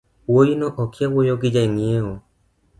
Wuoino okia wuoyo gi jang’iewo